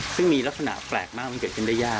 ซึ่งมีลักษณะแปลกมากมันเกิดขึ้นได้ยาก